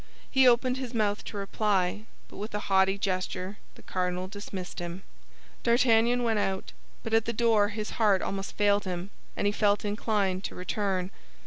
He opened his mouth to reply, but with a haughty gesture the cardinal dismissed him. D'Artagnan went out, but at the door his heart almost failed him, and he felt inclined to return.